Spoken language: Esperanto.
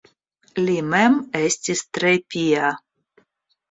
Li mem estis tre pia.